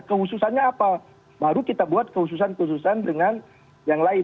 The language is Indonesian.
kehususannya apa baru kita buat kehususan kehususan dengan yang lain